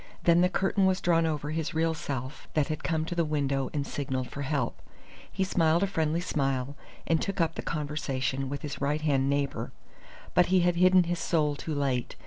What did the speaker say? Then the curtain was drawn over his real self that had come to the window and signalled for help. He smiled a friendly smile, and took up the conversation with his right hand neighbour. But he had hidden his soul too late.